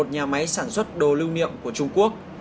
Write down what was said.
một nhà máy sản xuất đồ lưu niệm của trung quốc